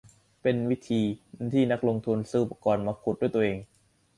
เป็นวิธีที่นักลงทุนซื้ออุปกรณ์มาขุดด้วยตัวเอง